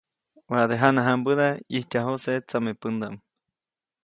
Waʼade jana jãmbäda ʼijtyajuse tsamepändaʼm.